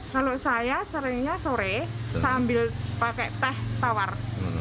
kalau saya seringnya sore sambil pakai teh tawar